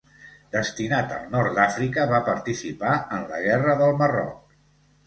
Destinat al Nord d'Àfrica, va participar en la Guerra del Marroc.